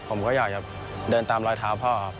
ผมก็อยากจะเดินตามรอยเท้าพ่อครับ